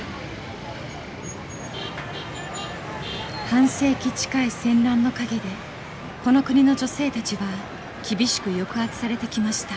半世紀近い戦乱の陰でこの国の女性たちは厳しく抑圧されてきました。